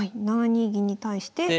７二銀に対して。